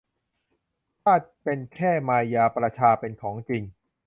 ชาติเป็นแค่มายาประชาเป็นของจริง